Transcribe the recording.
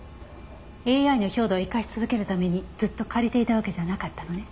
ＡＩの兵働を生かし続けるためにずっと借りていたわけじゃなかったのね。